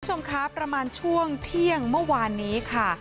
คุณผู้ชมคะประมาณช่วงเที่ยงเมื่อวานนี้ค่ะ